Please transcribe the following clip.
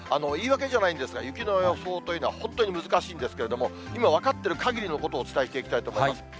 言い訳じゃないんですが、雪の予報というのは本当に難しいんですけれども、今分かっているかぎりのことをお伝えしていきたいと思います。